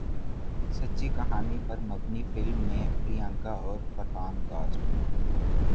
سچی کہانی پر مبنی فلم میں پریانکا اور فرحان کاسٹ